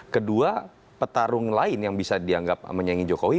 kedua petarung lain yang bisa dianggap menyaingi jokowi